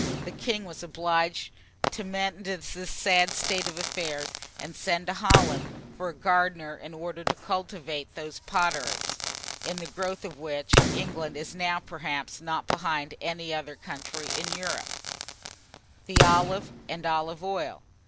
The king was obliged to mend this sad state of affairs, and send to Holland for a gardener in order to cultivate those pot herbs, in the growth of which England is now, perhaps, not behind any other country in Europe. [Illustration: THE OLIVE.] THE OLIVE AND OLIVE OIL.